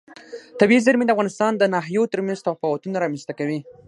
طبیعي زیرمې د افغانستان د ناحیو ترمنځ تفاوتونه رامنځ ته کوي.